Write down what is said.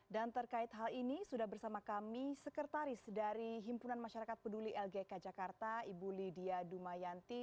dan terkait hal ini sudah bersama kami sekretaris dari himpunan masyarakat peduli lgk jakarta ibu lydia dumayanti